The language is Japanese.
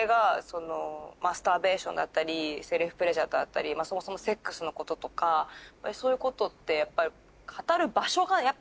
マスターベーションだったりセルフプレジャーだったりそもそもセックスのこととかそういうことって。